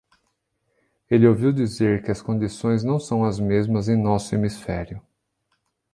Ele ouviu dizer que as condições não são as mesmas em nosso hemisfério.